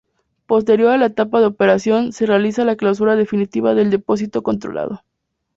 Posterior a la etapa de operación, se realiza la clausura definitiva del depósito controlado.